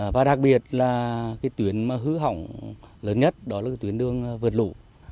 và đặc biệt là cái tuyến mà hư hỏng lớn nhất đó là tuyến đường vượt lũ